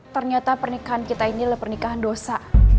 ternyata pernikahan kita ini adalah pernikahan dosa